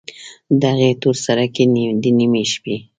د هغې تورسرکي، د نیمې شپې